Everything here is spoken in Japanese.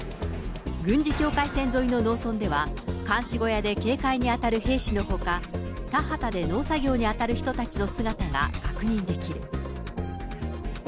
軍事境界線沿いの農村では、監視小屋で警戒に当たる兵士のほか、田畑で農作業に当たる人たちの姿が確認できる。